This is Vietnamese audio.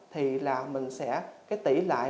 thì là mình sẽ cái tỷ lại